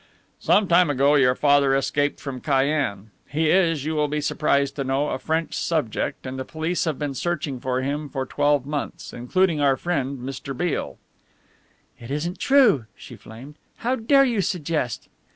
"Some time ago your father escaped from Cayenne. He is, you will be surprised to know, a French subject, and the police have been searching for him for twelve months, including our friend Mr. Beale." "It isn't true," she flamed. "How dare you suggest